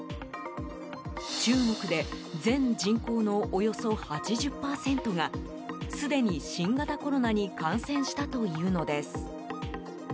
中国で全人口のおよそ８０％がすでに新型コロナに感染したというのです。